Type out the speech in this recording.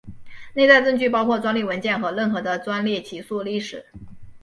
内在证据包括专利文件和任何的专利起诉历史。